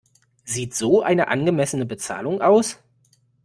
Sieht so eine angemessene Bezahlung aus?